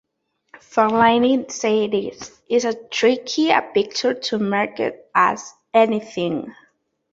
Farliner said This is as tricky a picture to market as anything.